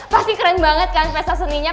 pasti keren banget kan pesta seninya